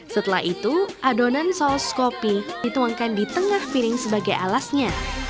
setelah itu adonan saus kopi dituangkan di tengah piring sebagai alasnya